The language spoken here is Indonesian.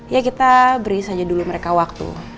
ya kita beri saja dulu mereka waktu